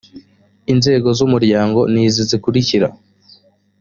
inzego z’umuryango ni izi zikurikira